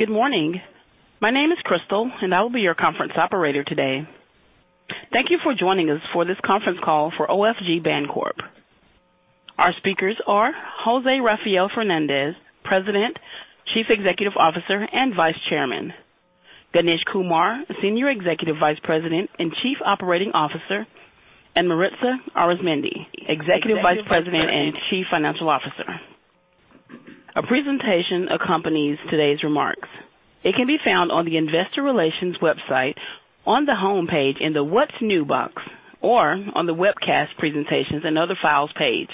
Good morning. My name is Crystal, I will be your conference operator today. Thank you for joining us for this conference call for OFG Bancorp. Our speakers are José Rafael Fernández, President, Chief Executive Officer, and Vice Chairman, Ganesh Kumar, Senior Executive Vice President and Chief Operating Officer, Maritza Arizmendi, Executive Vice President and Chief Financial Officer. A presentation accompanies today's remarks. It can be found on the investor relations website on the homepage in the What's New box, or on the Webcast Presentations and Other Files page.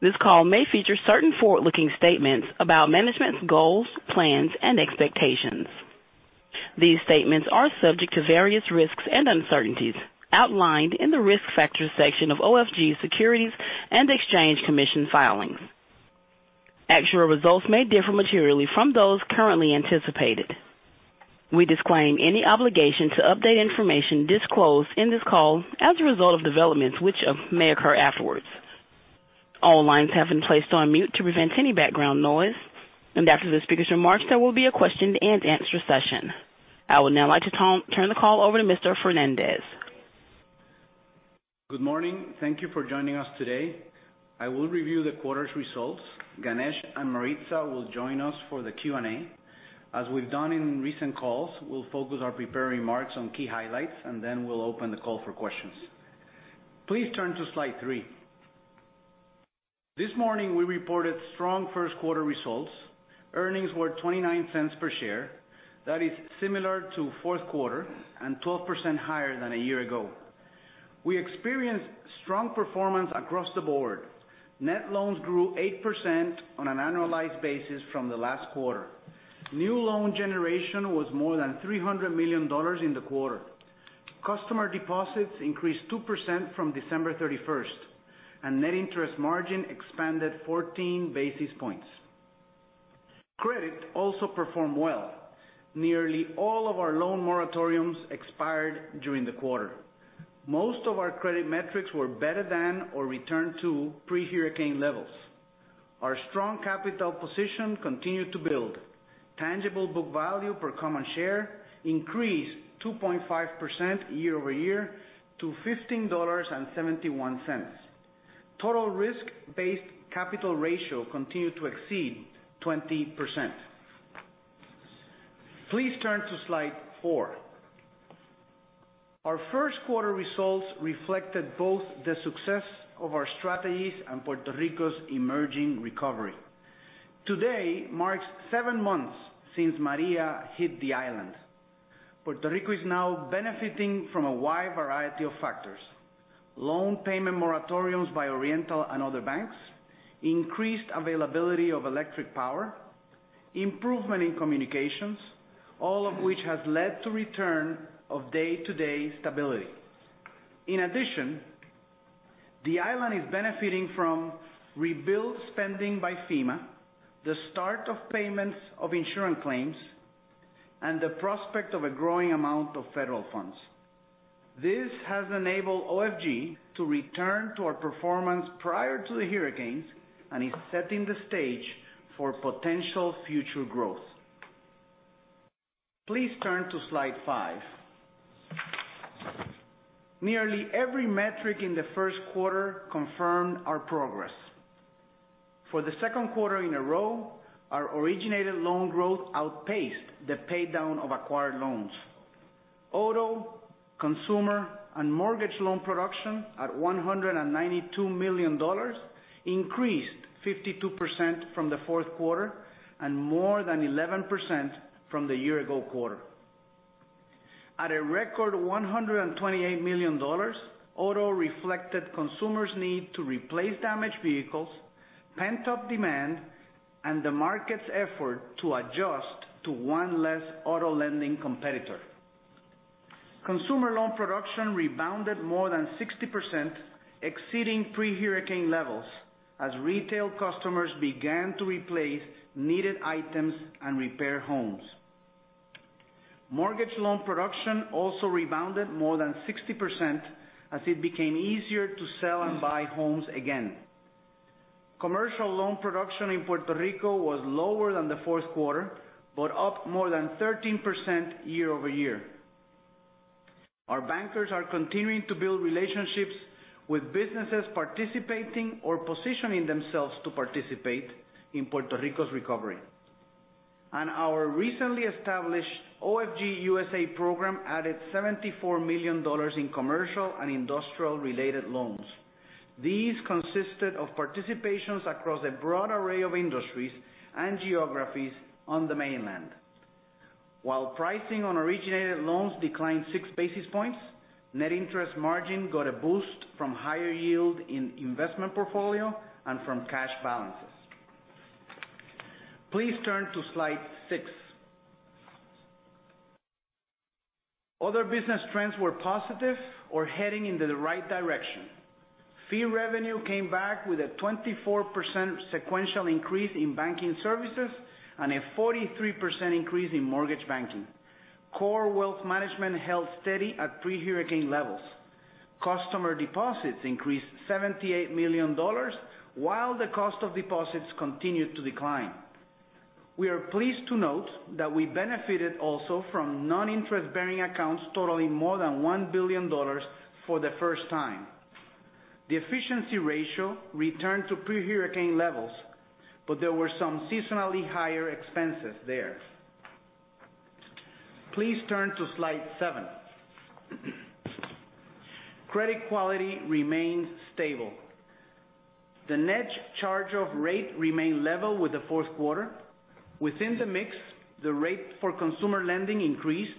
This call may feature certain forward-looking statements about management's goals, plans, and expectations. These statements are subject to various risks and uncertainties outlined in the Risk Factors section of OFG Securities and Exchange Commission filings. Actual results may differ materially from those currently anticipated. We disclaim any obligation to update information disclosed in this call as a result of developments which may occur afterwards. All lines have been placed on mute to prevent any background noise, after the speaker's remarks, there will be a question-and-answer session. I would now like to turn the call over to Mr. Fernández. Good morning. Thank you for joining us today. I will review the quarter's results. Ganesh and Maritza will join us for the Q&A. As we've done in recent calls, we'll focus our prepared remarks on key highlights, then we'll open the call for questions. Please turn to slide three. This morning, we reported strong first-quarter results. Earnings were $0.29 per share. That is similar to the fourth quarter and 12% higher than a year ago. We experienced strong performance across the board. Net loans grew 8% on an annualized basis from the last quarter. New loan generation was more than $300 million in the quarter. Customer deposits increased 2% from December 31st, net interest margin expanded 14 basis points. Credit also performed well. Nearly all of our loan moratoriums expired during the quarter. Most of our credit metrics were better than or returned to pre-hurricane levels. Our strong capital position continued to build. Tangible book value per common share increased 2.5% year-over-year to $15.71. Total risk-based capital ratio continued to exceed 20%. Please turn to slide four. Our first quarter results reflected both the success of our strategies and Puerto Rico's emerging recovery. Today marks seven months since Maria hit the island. Puerto Rico is now benefiting from a wide variety of factors. Loan payment moratoriums by Oriental and other banks, increased availability of electric power, improvement in communications, all of which has led to return of day-to-day stability. In addition, the island is benefiting from rebuild spending by FEMA, the start of payments of insurance claims, the prospect of a growing amount of federal funds. This has enabled OFG to return to our performance prior to the hurricanes and is setting the stage for potential future growth. Please turn to slide five. Nearly every metric in the first quarter confirmed our progress. For the second quarter in a row, our originated loan growth outpaced the paydown of acquired loans. Auto, consumer, and mortgage loan production at $192 million increased 52% from the fourth quarter and more than 11% from the year-ago quarter. At a record $128 million, auto reflected consumers need to replace damaged vehicles, pent-up demand, and the market's effort to adjust to one less auto lending competitor. Consumer loan production rebounded more than 60%, exceeding pre-hurricane levels as retail customers began to replace needed items and repair homes. Mortgage loan production also rebounded more than 60% as it became easier to sell and buy homes again. Commercial loan production in Puerto Rico was lower than the fourth quarter, but up more than 13% year over year. Our recently established OFG USA program added $74 million in commercial and industrial-related loans. These consisted of participations across a broad array of industries and geographies on the mainland. While pricing on originated loans declined six basis points, net interest margin got a boost from higher yield in investment portfolio and from cash balances. Please turn to slide six. Other business trends were positive or heading in the right direction. Fee revenue came back with a 24% sequential increase in banking services and a 43% increase in mortgage banking. Core wealth management held steady at pre-hurricane levels. Customer deposits increased $78 million while the cost of deposits continued to decline. We are pleased to note that we benefited also from non-interest-bearing accounts totaling more than $1 billion for the first time. The efficiency ratio returned to pre-hurricane levels, but there were some seasonally higher expenses there. Please turn to slide seven. Credit quality remains stable. The net charge-off rate remained level with the fourth quarter. Within the mix, the rate for consumer lending increased,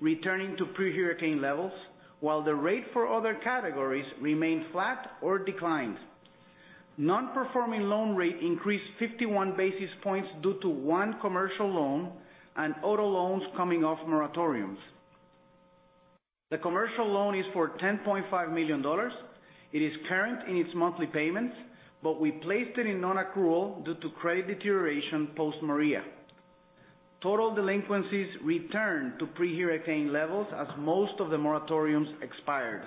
returning to pre-hurricane levels, while the rate for other categories remained flat or declined. Non-performing loan rate increased 51 basis points due to one commercial loan and auto loans coming off moratoriums. The commercial loan is for $10.5 million. It is current in its monthly payments, but we placed it in non-accrual due to credit deterioration post-Maria. Total delinquencies returned to pre-hurricane levels as most of the moratoriums expired.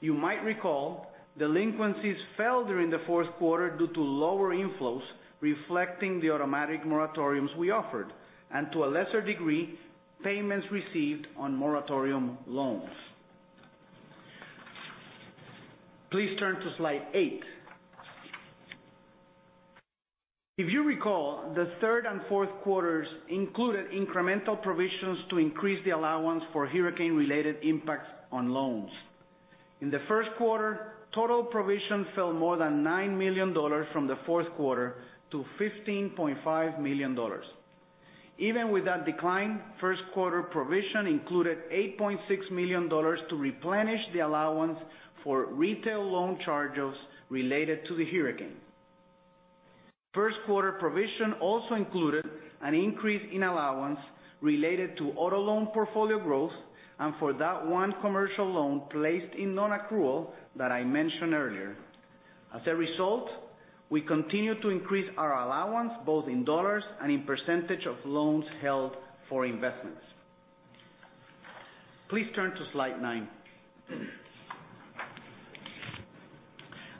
You might recall, delinquencies fell during the fourth quarter due to lower inflows reflecting the automatic moratoriums we offered, and to a lesser degree, payments received on moratorium loans. Please turn to slide eight. If you recall, the third and fourth quarters included incremental provisions to increase the allowance for hurricane-related impacts on loans. In the first quarter, total provision fell more than $9 million from the fourth quarter to $15.5 million. Even with that decline, first-quarter provision included $8.6 million to replenish the allowance for retail loan charge-offs related to the hurricane. First-quarter provision also included an increase in allowance related to auto loan portfolio growth and for that one commercial loan placed in non-accrual that I mentioned earlier. As a result, we continue to increase our allowance both in dollars and in percentage of loans held for investments. Please turn to slide nine.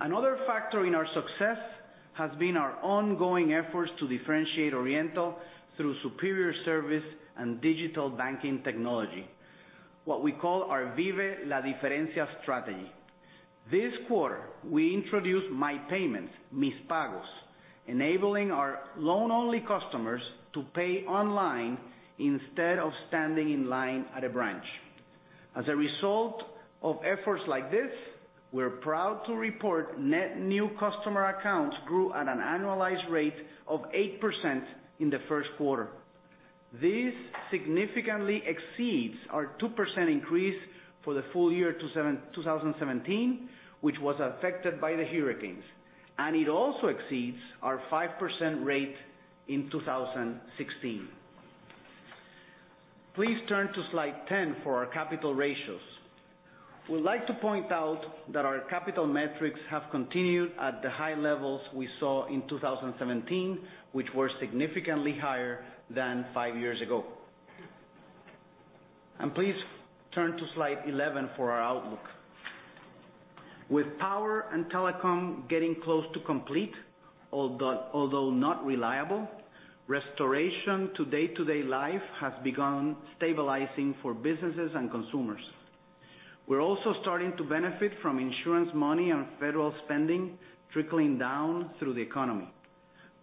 Another factor in our success has been our ongoing efforts to differentiate Oriental through superior service and digital banking technology, what we call our Vive la Diferencia strategy. This quarter, we introduced My Payments, Mis Pagos, enabling our loan-only customers to pay online instead of standing in line at a branch. As a result of efforts like this, we're proud to report net new customer accounts grew at an annualized rate of 8% in the first quarter. This significantly exceeds our 2% increase for the full year 2017, which was affected by the hurricanes, and it also exceeds our 5% rate in 2016. Please turn to slide 10 for our capital ratios. We'd like to point out that our capital metrics have continued at the high levels we saw in 2017, which were significantly higher than five years ago. Please turn to slide 11 for our outlook. With power and telecom getting close to complete, although not reliable, restoration to day-to-day life has begun stabilizing for businesses and consumers. We're also starting to benefit from insurance money and federal spending trickling down through the economy.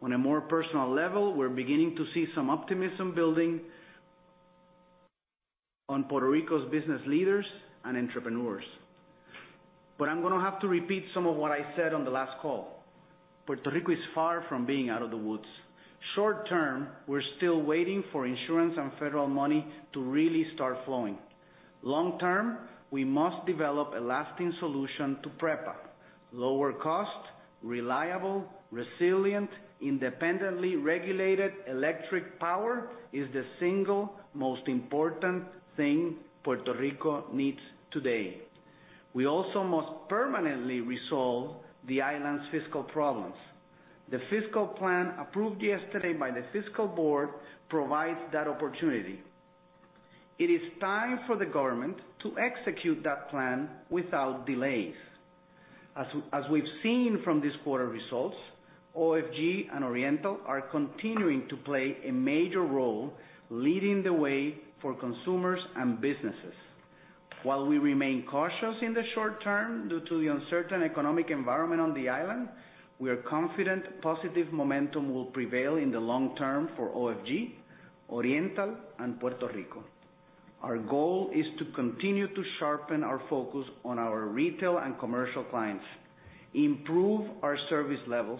On a more personal level, we're beginning to see some optimism building on Puerto Rico's business leaders and entrepreneurs. I'm going to have to repeat some of what I said on the last call. Puerto Rico is far from being out of the woods. Short term, we're still waiting for insurance and federal money to really start flowing. Long term, we must develop a lasting solution to PREPA. Lower cost, reliable, resilient, independently regulated electric power is the single most important thing Puerto Rico needs today. We also must permanently resolve the island's fiscal problems. The fiscal plan approved yesterday by the Fiscal Board provides that opportunity. It is time for the government to execute that plan without delays. As we've seen from these quarter results, OFG and Oriental are continuing to play a major role leading the way for consumers and businesses. While we remain cautious in the short term due to the uncertain economic environment on the island, we are confident positive momentum will prevail in the long term for OFG, Oriental, and Puerto Rico. Our goal is to continue to sharpen our focus on our retail and commercial clients, improve our service levels,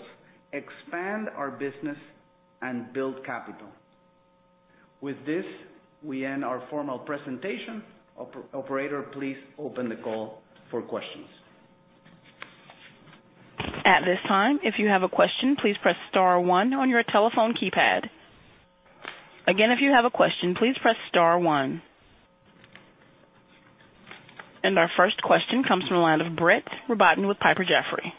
expand our business, and build capital. With this, we end our formal presentation. Operator, please open the call for questions. At this time, if you have a question, please press star one on your telephone keypad. Again, if you have a question, please press star one. Our first question comes from the line of Brett Rabatin with Piper Jaffray.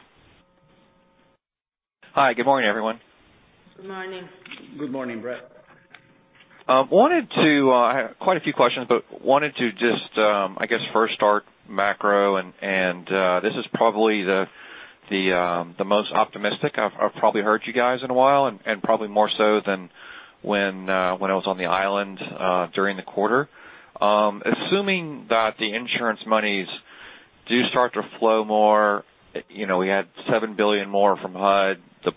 Hi. Good morning, everyone. Good morning. Good morning, Brett. I have quite a few questions, but wanted to just, I guess, first start macro and this is probably the most optimistic I've probably heard you guys in a while, and probably more so than when I was on the island during the quarter. Assuming that the insurance monies do start to flow more, we had $7 billion more from HUD, the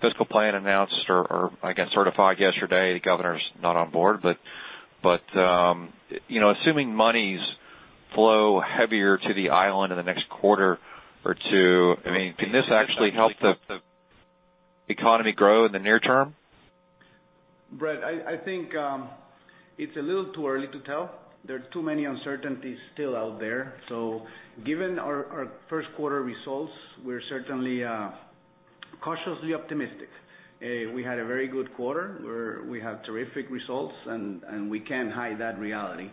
fiscal plan announced or I guess certified yesterday. Governor's not on board. Assuming monies flow heavier to the island in the next quarter or two, can this actually help the economy grow in the near term? Brett, I think it's a little too early to tell. There are too many uncertainties still out there. Given our first quarter results, we're certainly cautiously optimistic. We had a very good quarter, we had terrific results, and we can't hide that reality.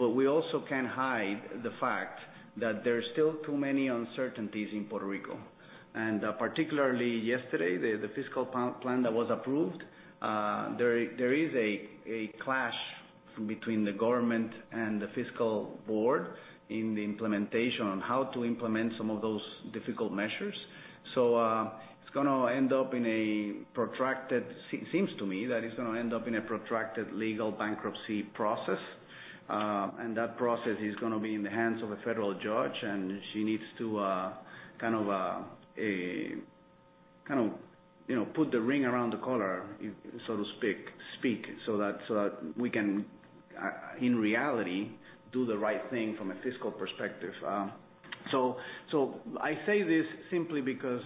We also can't hide the fact that there are still too many uncertainties in Puerto Rico. Particularly yesterday, the fiscal plan that was approved, there is a clash between the government and the Fiscal Board in the implementation on how to implement some of those difficult measures. It seems to me that it's going to end up in a protracted legal bankruptcy process. That process is going to be in the hands of a federal judge, and she needs to kind of put the ring around the collar, so to speak, so that we can, in reality, do the right thing from a fiscal perspective. I say this simply because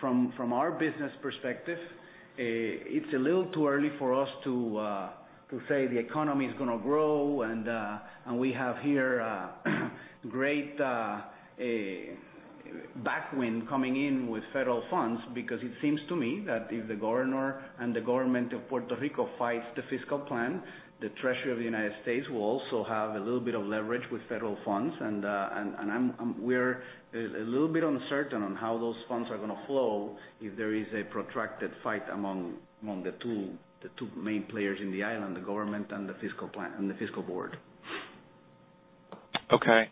from our business perspective, it's a little too early for us to say the economy's going to grow and we have here a great back wind coming in with federal funds because it seems to me that if the governor and the government of Puerto Rico fights the fiscal plan, the Treasury of the U.S. will also have a little bit of leverage with federal funds. We're a little bit uncertain on how those funds are going to flow if there is a protracted fight among the two main players in the island, the government and the Fiscal Board. Okay.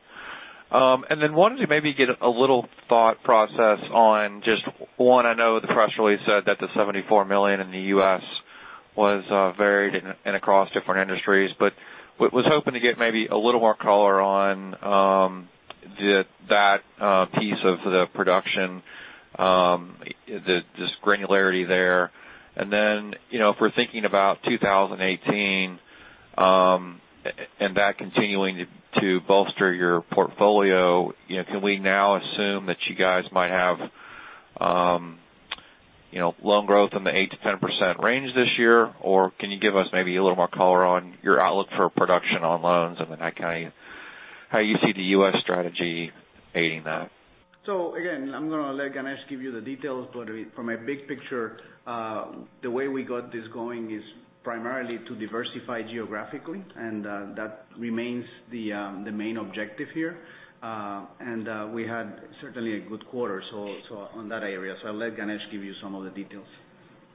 Wanted to maybe get a little thought process on just, one, I know the press release said that the $74 million in the U.S. was varied and across different industries. Was hoping to get maybe a little more color on that piece of the production, just granularity there. If we're thinking about 2018, and that continuing to bolster your portfolio, can we now assume that you guys might have loan growth in the 8%-10% range this year? Or can you give us maybe a little more color on your outlook for production on loans and then how you see the U.S. strategy aiding that? Again, I'm going to let Ganesh give you the details, from a big picture, the way we got this going is primarily to diversify geographically, and that remains the main objective here. We had certainly a good quarter on that area. I'll let Ganesh give you some of the details.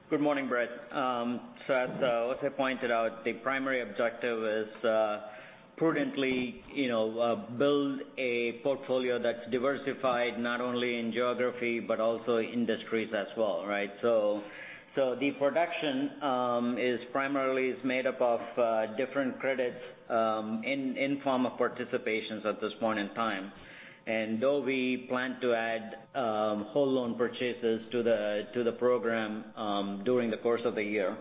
Good morning, Brett. As José pointed out, the primary objective is prudently build a portfolio that is diversified not only in geography but also industries as well, right? The production primarily is made up of different credits in form of participations at this point in time. Though we plan to add whole loan purchases to the program during the course of the year,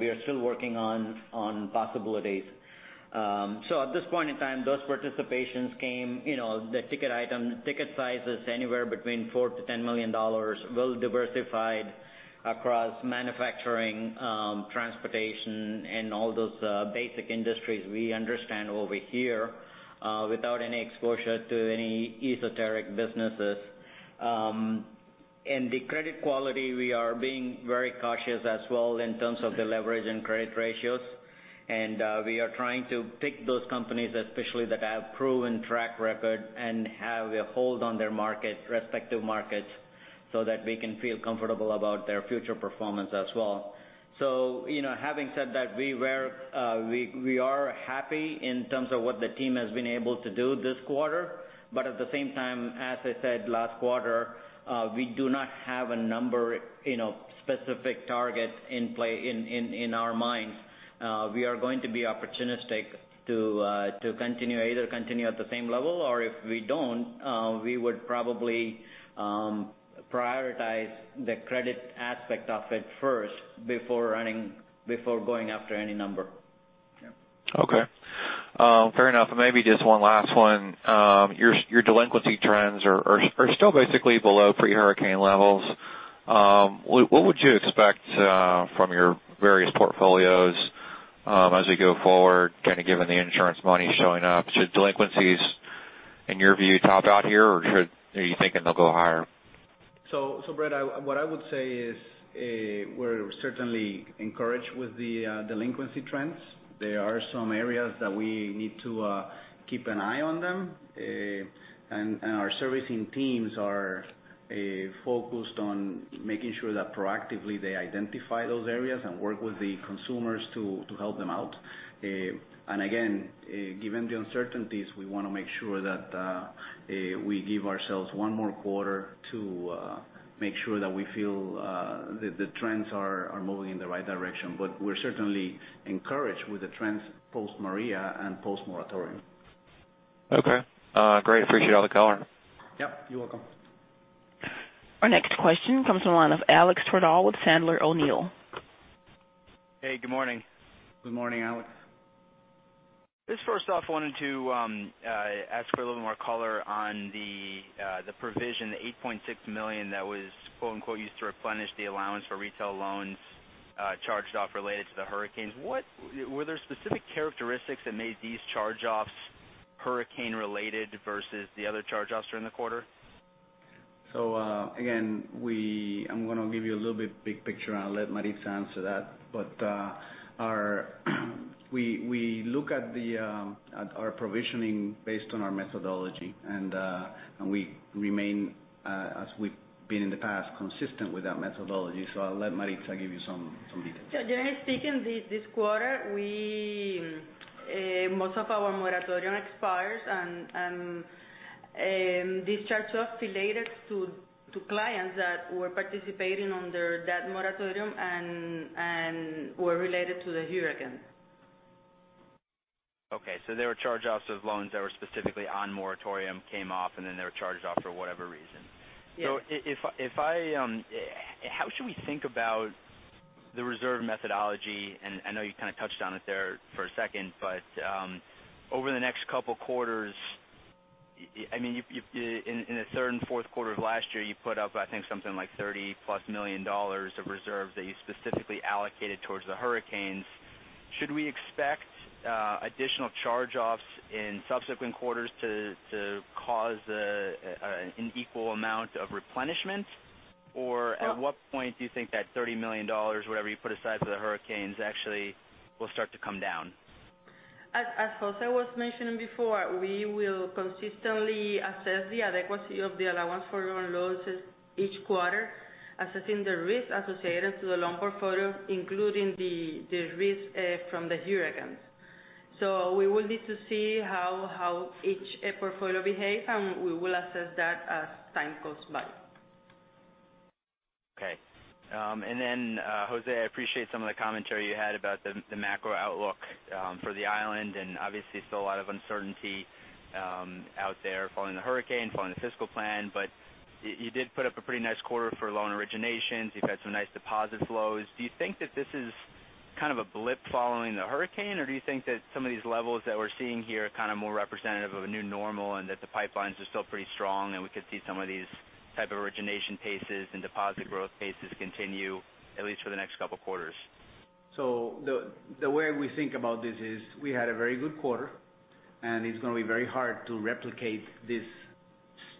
we are still working on possibilities. At this point in time, those participations came, the ticket sizes anywhere between $4 million-$10 million, well-diversified across manufacturing, transportation, and all those basic industries we understand over here, without any exposure to any esoteric businesses. In the credit quality, we are being very cautious as well in terms of the leverage and credit ratios. We are trying to pick those companies, especially that have proven track record and have a hold on their respective markets, that we can feel comfortable about their future performance as well. Having said that, we are happy in terms of what the team has been able to do this quarter. At the same time, as I said last quarter, we do not have a number, specific target in play in our minds. We are going to be opportunistic to either continue at the same level or if we do not, we would probably prioritize the credit aspect of it first before going after any number. Yeah. Okay. Fair enough. Maybe just one last one. Your delinquency trends are still basically below pre-hurricane levels. What would you expect from your various portfolios as we go forward, kind of given the insurance money showing up? Should delinquencies, in your view, top out here, or are you thinking they will go higher? Brett, what I would say is We are certainly encouraged with the delinquency trends. There are some areas that we need to keep an eye on them. Our servicing teams are focused on making sure that proactively they identify those areas and work with the consumers to help them out. Again, given the uncertainties, we want to make sure that we give ourselves one more quarter to make sure that we feel the trends are moving in the right direction. We are certainly encouraged with the trends post-Maria and post-moratorium. Okay. Great. Appreciate all the color. Yep, you're welcome. Our next question comes from the line of Alex Twerdahl with Sandler O'Neill. Hey, good morning. Good morning, Alex. First off, wanted to ask for a little more color on the provision, the $8.6 million that was "used to replenish the allowance for retail loans charged off related to the hurricanes." Were there specific characteristics that made these charge-offs hurricane related versus the other charge-offs during the quarter? Again, I'm going to give you a little bit big picture and I'll let Maritza answer that. We look at our provisioning based on our methodology. We remain, as we've been in the past, consistent with that methodology. I'll let Maritza give you some details. Generally speaking, this quarter most of our moratorium expires and this charge-off related to clients that were participating under that moratorium and were related to the hurricane. Okay, they were charge-offs of loans that were specifically on moratorium, came off, and then they were charged off for whatever reason. Yes. How should we think about the reserve methodology? I know you kind of touched on it there for a second, but over the next couple quarters, in the third and fourth quarter of last year, you put up, I think, something like $30 million plus of reserves that you specifically allocated towards the hurricanes. Should we expect additional charge-offs in subsequent quarters to cause an equal amount of replenishment? At what point do you think that $30 million, whatever you put aside for the hurricanes, actually will start to come down? As José was mentioning before, we will consistently assess the adequacy of the allowance for loan losses each quarter, assessing the risk associated to the loan portfolio, including the risk from the hurricanes. We will need to see how each portfolio behaves, and we will assess that as time goes by. Okay. José, I appreciate some of the commentary you had about the macro outlook for the island, and obviously still a lot of uncertainty out there following the hurricane, following the fiscal plan. You did put up a pretty nice quarter for loan originations. You've had some nice deposit flows. Do you think that this is kind of a blip following the hurricane, or do you think that some of these levels that we're seeing here are kind of more representative of a new normal and that the pipelines are still pretty strong, and we could see some of these type of origination paces and deposit growth paces continue at least for the next couple quarters? The way we think about this is we had a very good quarter, it's going to be very hard to replicate this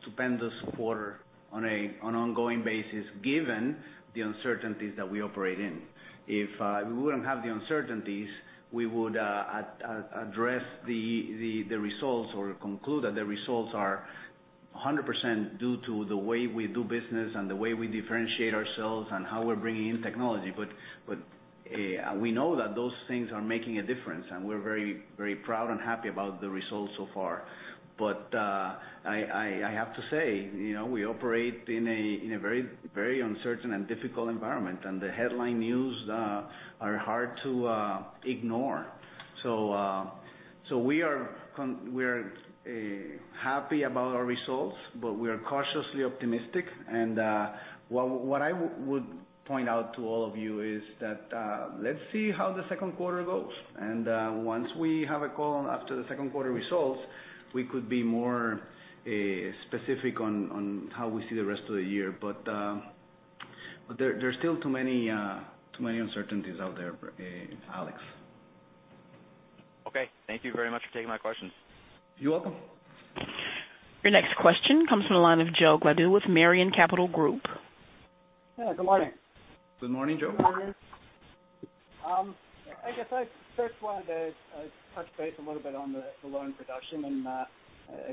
stupendous quarter on an ongoing basis given the uncertainties that we operate in. If we wouldn't have the uncertainties, we would address the results or conclude that the results are 100% due to the way we do business and the way we differentiate ourselves and how we're bringing in technology. We know that those things are making a difference, and we're very proud and happy about the results so far. I have to say, we operate in a very uncertain and difficult environment, and the headline news are hard to ignore. We are happy about our results, but we are cautiously optimistic. What I would point out to all of you is that let's see how the second quarter goes. Once we have a call after the second quarter results, we could be more specific on how we see the rest of the year. There are still too many uncertainties out there, Alex. Okay. Thank you very much for taking my questions. You're welcome. Your next question comes from the line of Joe Gladue with Merion Capital Group. Yeah, good morning. Good morning, Joe. Good morning. I guess I first wanted to touch base a little bit on the loan production and I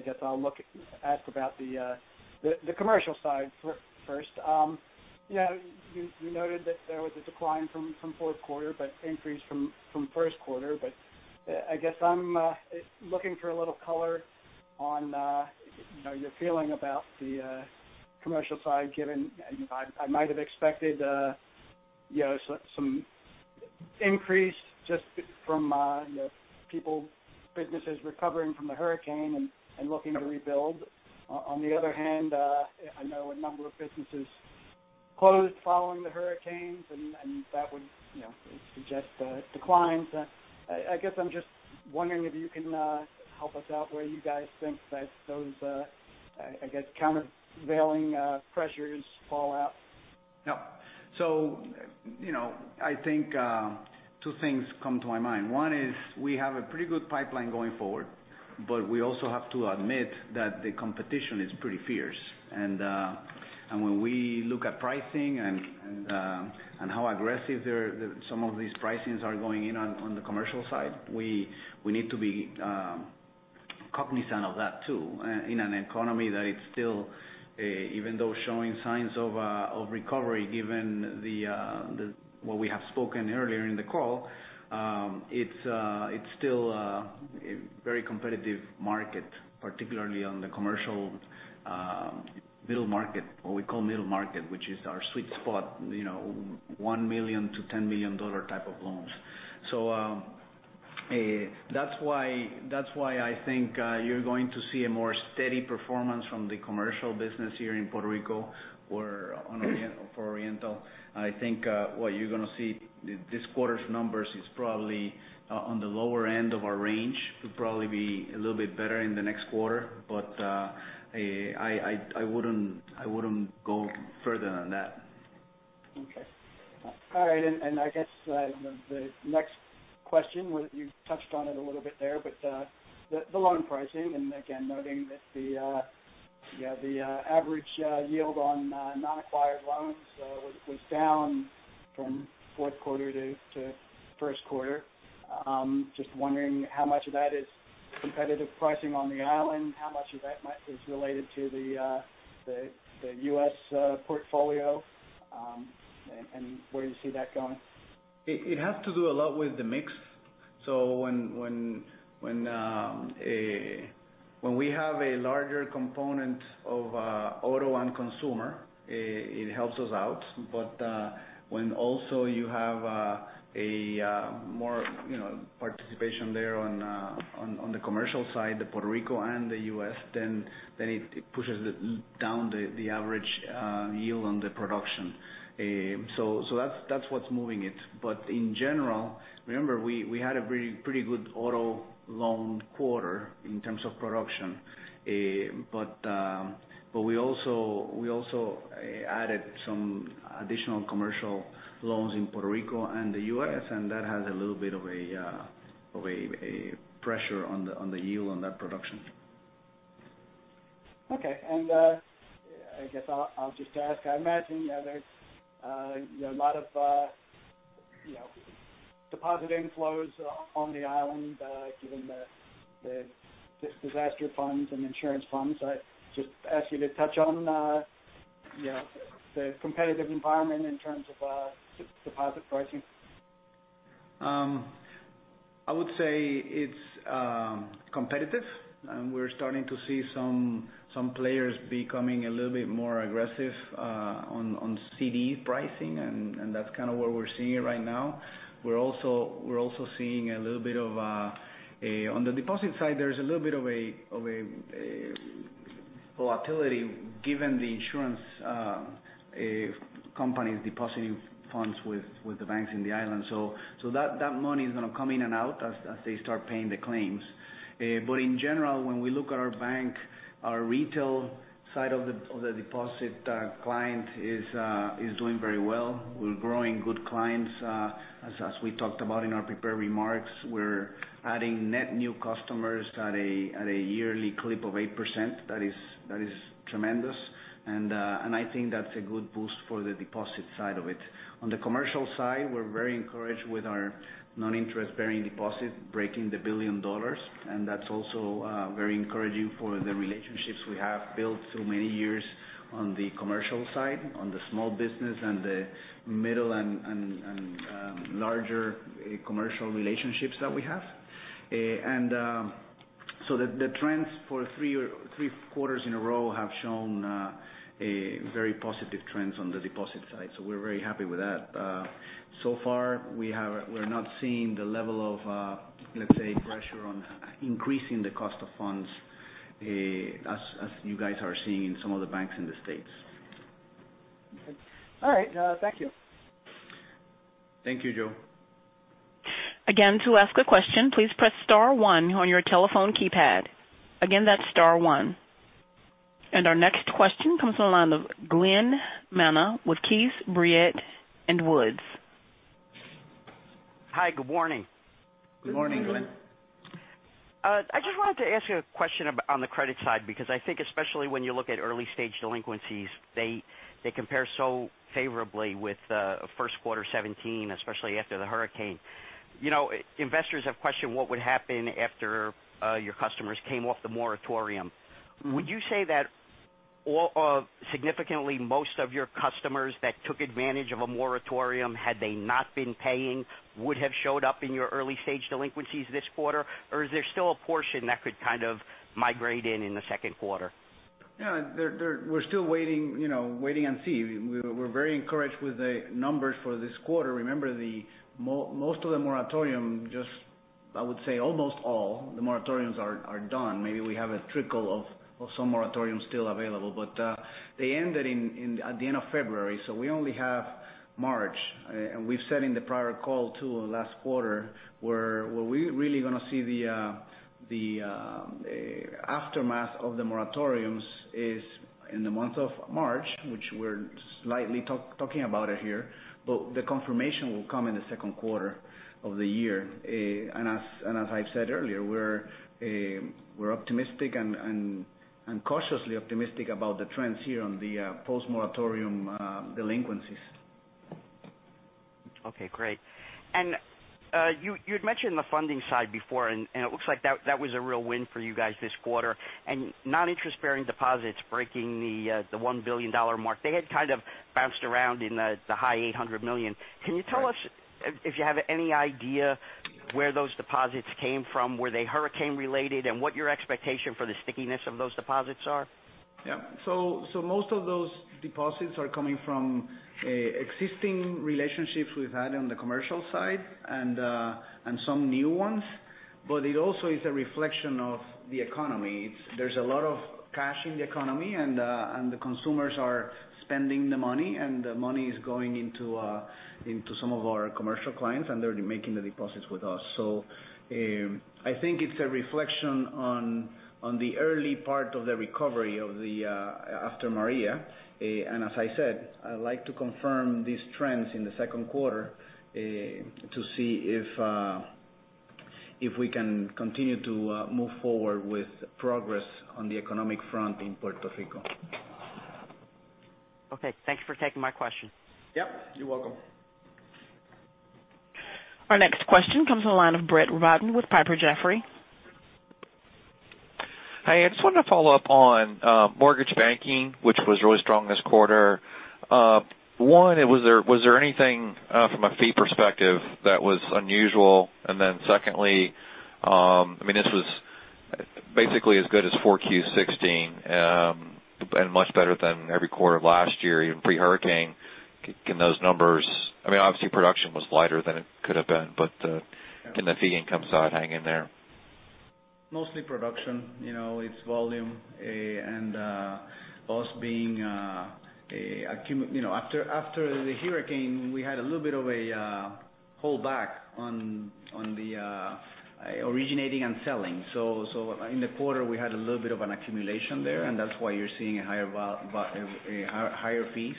guess I'll ask about the commercial side first. I guess I'm looking for a little color on your feeling about the commercial side given I might have expected some increase just from people, businesses recovering from the hurricane and looking to rebuild. On the other hand, I know a number of businesses closed following the hurricanes and that would suggest declines. I guess I'm just wondering if you can help us out where you guys think that those, I guess, countervailing pressures fall out. I think two things come to my mind. One is we have a pretty good pipeline going forward, but we also have to admit that the competition is pretty fierce. When we look at pricing and how aggressive some of these pricings are going in on the commercial side, we need to be cognizant of that too, in an economy that is still, even though showing signs of recovery, given what we have spoken earlier in the call, it's still a very competitive market, particularly on the commercial middle market, what we call middle market, which is our sweet spot, $1 million-$10 million type of loans. That's why I think you're going to see a more steady performance from the commercial business here in Puerto Rico for Oriental. I think what you're going to see, this quarter's numbers is probably on the lower end of our range. Could probably be a little bit better in the next quarter. I wouldn't go further than that. Okay. All right, I guess the next question, you touched on it a little bit there, but the loan pricing, again, noting that the average yield on non-acquired loans was down from fourth quarter to first quarter. Just wondering how much of that is competitive pricing on the island, how much of that is related to the U.S. portfolio, and where do you see that going? It has to do a lot with the mix. When we have a larger component of auto and consumer, it helps us out. When also you have more participation there on the commercial side, the Puerto Rico and the U.S., then it pushes down the average yield on the production. That's what's moving it. In general, remember, we had a pretty good auto loan quarter in terms of production. We also added some additional commercial loans in Puerto Rico and the U.S., and that has a little bit of a pressure on the yield on that production. Okay. I guess I'll just ask, I imagine there's a lot of deposit inflows on the island given this disaster funds and insurance funds. I just ask you to touch on the competitive environment in terms of deposit pricing. I would say it's competitive. We're starting to see some players becoming a little bit more aggressive on CD pricing, and that's kind of where we're seeing it right now. We're also seeing a little bit of, on the deposit side, there is a little bit of a volatility given the insurance companies depositing funds with the banks in the island. That money is going to come in and out as they start paying the claims. In general, when we look at our bank, our retail side of the deposit client is doing very well. We're growing good clients. As we talked about in our prepared remarks, we're adding net new customers at a yearly clip of 8%. That is tremendous. I think that's a good boost for the deposit side of it. On the commercial side, we're very encouraged with our non-interest-bearing deposit breaking the $1 billion, and that's also very encouraging for the relationships we have built through many years on the commercial side, on the small business and the middle and larger commercial relationships that we have. The trends for three quarters in a row have shown very positive trends on the deposit side. We're very happy with that. So far, we're not seeing the level of, let's say, pressure on increasing the cost of funds as you guys are seeing in some of the banks in the U.S. Okay. All right. Thank you. Thank you, Joe. To ask a question, please press star one on your telephone keypad. Again, that's star one. Our next question comes from the line of Glen Manna with Keefe, Bruyette & Woods. Hi, good morning. Good morning, Glen. I just wanted to ask you a question on the credit side because I think especially when you look at early-stage delinquencies, they compare so favorably with first quarter 2017, especially after the hurricane. Investors have questioned what would happen after your customers came off the moratorium. Would you say that significantly most of your customers that took advantage of a moratorium, had they not been paying, would have showed up in your early-stage delinquencies this quarter? Or is there still a portion that could kind of migrate in the second quarter? We're still waiting and see. We're very encouraged with the numbers for this quarter. Remember most of the moratorium, almost all the moratoriums are done. Maybe we have a trickle of some moratorium still available. They ended at the end of February, so we only have March. We've said in the prior call, too, last quarter, where we're really going to see the aftermath of the moratoriums is in the month of March, which we're slightly talking about it here. The confirmation will come in the second quarter of the year. As I've said earlier, we're optimistic and cautiously optimistic about the trends here on the post-moratorium delinquencies. Okay, great. You had mentioned the funding side before, it looks like that was a real win for you guys this quarter. Non-interest-bearing deposits breaking the $1 billion mark. They had kind of bounced around in the high $800 million. Right. Can you tell us if you have any idea where those deposits came from? Were they hurricane-related, and what your expectation for the stickiness of those deposits are? Yeah. Most of those deposits are coming from existing relationships we've had on the commercial side and some new ones. It also is a reflection of the economy. There's a lot of cash in the economy, and the consumers are spending the money, and the money is going into some of our commercial clients, and they're making the deposits with us. I think it's a reflection on the early part of the recovery after Maria. As I said, I'd like to confirm these trends in the second quarter to see if we can continue to move forward with progress on the economic front in Puerto Rico. Okay. Thank you for taking my question. Yep, you're welcome. Our next question comes on the line of Brett Rabatin with Piper Jaffray. Hey, I just wanted to follow up on mortgage banking, which was really strong this quarter. One, was there anything from a fee perspective that was unusual? Secondly, this was basically as good as 4Q 2016, and much better than every quarter of last year, even pre-hurricane, in those numbers. Obviously, production was lighter than it could have been. Yeah Can the fee income side hang in there? Mostly production. It's volume, and us being after the hurricane, we had a little bit of a holdback on the originating and selling. In the quarter, we had a little bit of an accumulation there, and that's why you're seeing higher fees.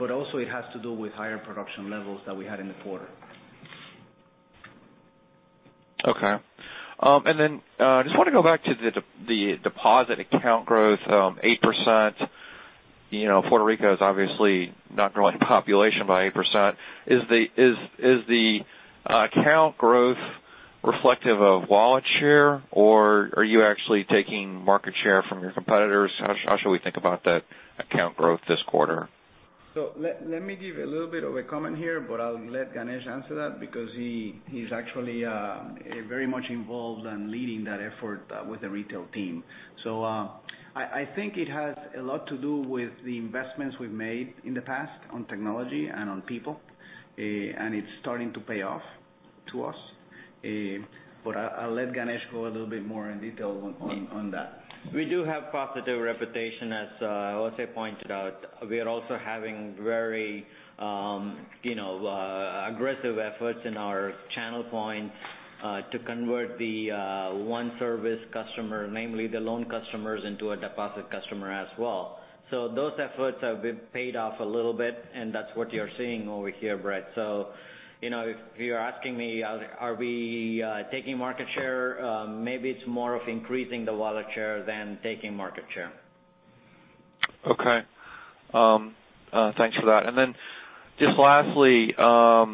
Also it has to do with higher production levels that we had in the quarter. Okay. I just want to go back to the deposit account growth, 8%. Puerto Rico is obviously not growing population by 8%. Is the account growth reflective of wallet share, or are you actually taking market share from your competitors? How should we think about that account growth this quarter? Let me give a little bit of a comment here, I'll let Ganesh answer that because he's actually very much involved in leading that effort with the retail team. I think it has a lot to do with the investments we've made in the past on technology and on people. It's starting to pay off to us. I'll let Ganesh go a little bit more in detail on that. We do have positive reputation, as José pointed out. We are also having very aggressive efforts in our channel points to convert the one-service customer, namely the loan customers, into a deposit customer as well. Those efforts have paid off a little bit, and that's what you're seeing over here, Brett. If you're asking me, are we taking market share? Maybe it's more of increasing the wallet share than taking market share. Okay. Thanks for that. Then just lastly, Puerto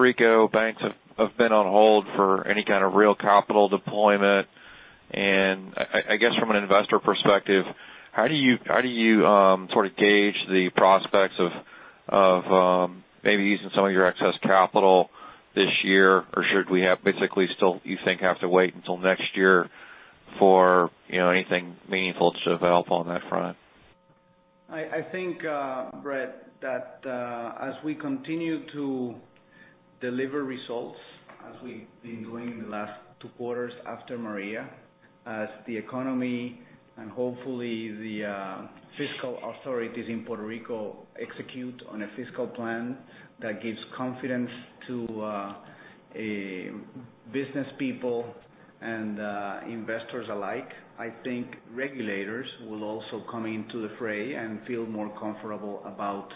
Rico banks have been on hold for any kind of real capital deployment. I guess from an investor perspective, how do you sort of gauge the prospects of maybe using some of your excess capital this year? Or should we basically still, you think, have to wait until next year for anything meaningful to develop on that front? I think, Brett, that as we continue to deliver results as we've been doing in the last two quarters after Maria, as the economy and hopefully the fiscal authorities in Puerto Rico execute on a fiscal plan that gives confidence to business people and investors alike. I think regulators will also come into the fray and feel more comfortable about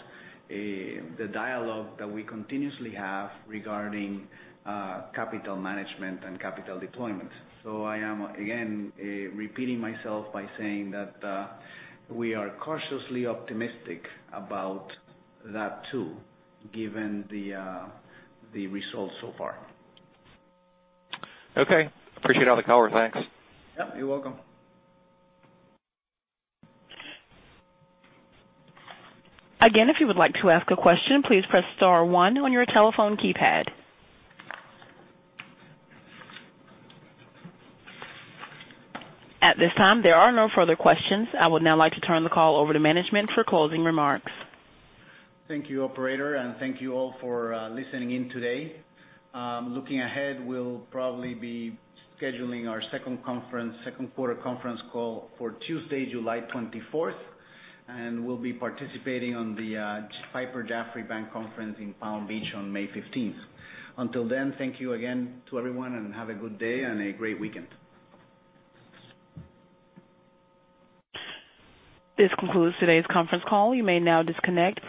the dialogue that we continuously have regarding capital management and capital deployment. I am, again, repeating myself by saying that we are cautiously optimistic about that too, given the results so far. Okay. Appreciate all the color. Thanks. Yep, you're welcome. Again, if you would like to ask a question, please press star one on your telephone keypad. At this time, there are no further questions. I would now like to turn the call over to management for closing remarks. Thank you, operator, and thank you all for listening in today. Looking ahead, we'll probably be scheduling our second quarter conference call for Tuesday, July 24th. We'll be participating in the Piper Jaffray Bank Conference in Palm Beach on May 15th. Until then, thank you again to everyone, and have a good day and a great weekend. This concludes today's conference call. You may now disconnect.